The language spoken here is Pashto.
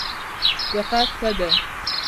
دقت ښه دی.